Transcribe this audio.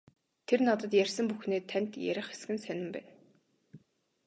Тэр надад ярьсан бүхнээ танд ярих эсэх нь сонин байна.